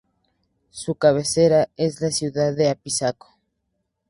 Su cabecera es la ciudad de Apizaco.